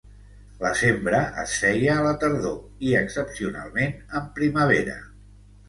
La sembra es feia a la tardor i excepcionalment en primavera.